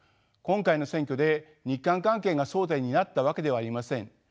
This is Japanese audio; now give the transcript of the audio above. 今回の選挙で日韓関係が争点になったわけではありません。